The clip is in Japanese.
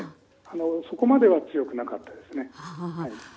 そこまでは強くなかったですね。